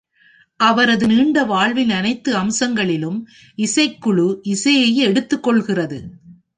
அவரது நீண்ட வாழ்வின் அனைத்து அம்சங்களிலும் இசைக்குழு இசையை எடுத்துக் கொள்கிறது.